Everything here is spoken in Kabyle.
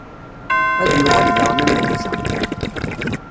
Ad yuɣal daɣen am netta.